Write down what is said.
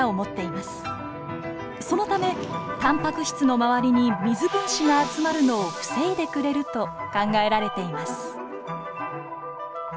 そのためたんぱく質の周りに水分子が集まるのを防いでくれると考えられています。